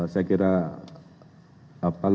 saya kira logikanya begitu